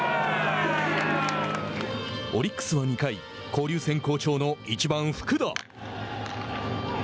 オリックスは２回交流戦好調の、１番福田。